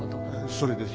それです。